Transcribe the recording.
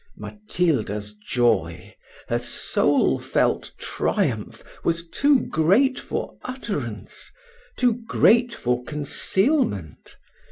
Matilda's joy, her soul felt triumph, was too great for utterance too great for concealment.